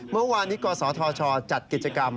เมื่อวานนี้กศธชจัดกิจกรรม